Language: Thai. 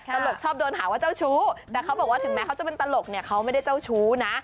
ตลกชอบโดนหาว่าเจ้าชู้แต่เขาบอกว่าถึงแม้เขาจะเป็นตลกเนี่ยเขาไม่ได้เจ้าชู้นะ